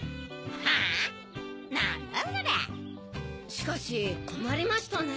しかしこまりましたね。